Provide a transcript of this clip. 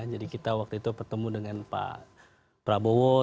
jadi kita waktu itu bertemu dengan pak prabowojaya